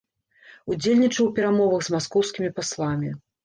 Удзельнічаў у перамовах з маскоўскімі пасламі.